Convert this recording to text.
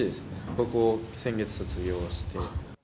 高校を先月卒業して。